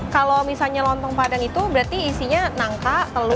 kalau misalnya lontong padang itu berarti isinya nangka telur